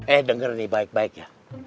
eh dengar nih baik baik ya